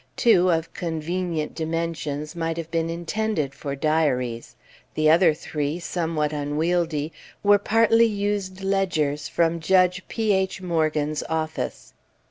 Two, of convenient dimensions, might have been intended for diaries; the other three, somewhat unwieldy, were partly used ledgers from Judge P. H. Morgan's office.